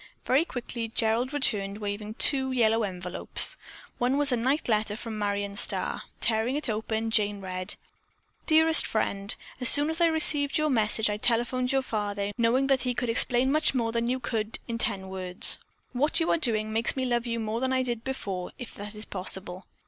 Very quickly Gerald returned, waving two yellow envelopes. One was a night letter from Marion Starr. Tearing it open, Jane read: "Dearest friend: As soon as I received your message I telephoned your father, knowing that he could explain much more than you could in ten words. What you are doing makes me love you more than I did before, if that is possible.